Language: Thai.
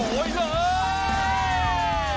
โหยเลย